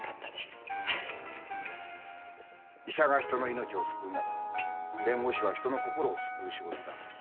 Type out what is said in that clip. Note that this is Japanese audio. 医者が人の命を救うなら弁護士は人の心を救う仕事だ。